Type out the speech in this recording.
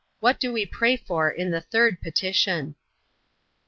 What do we pray for in the third petition?